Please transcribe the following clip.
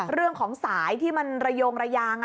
เรื่องของสายที่มันเหลยง